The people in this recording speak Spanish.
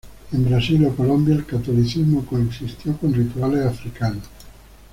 En Brasil o Colombia, el catolicismo coexistió con rituales africanos.